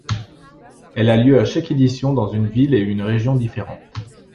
Elle a lieu à chaque édition dans une ville ou une région différente.